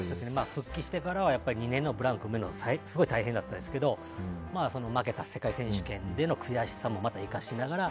復帰してからは２年、ブランクあったのですごいたいへんだったですけど世界選手権での悔しさもまた生かしながら。